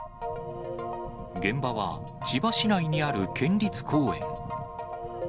現場は千葉市内にある県立公園。